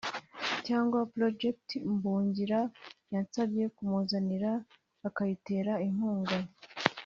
cyangwa projet Mbungira yansabye kumuzanira akayitera inkunga